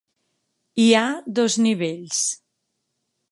Hi ha dos nivells: